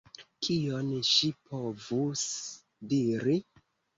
Kion ŝi povus diri?